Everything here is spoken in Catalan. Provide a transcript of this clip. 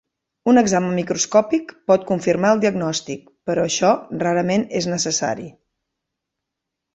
Un examen microscòpic pot confirmar el diagnòstic, però això rarament és necessari.